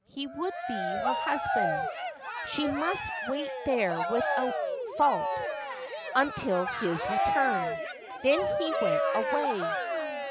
He would be her husband. She must wait there without fault until his return. Then he went away.